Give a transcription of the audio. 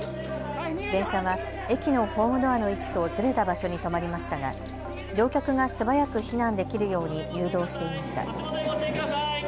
電車は駅のホームドアの位置とずれた場所に止まりましたが乗客が素早く避難できるように誘導していました。